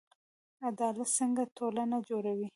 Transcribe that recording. عدالت څنګه ټولنه جوړوي؟